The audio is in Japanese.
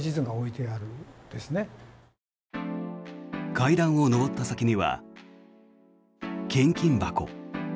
階段を上った先には献金箱。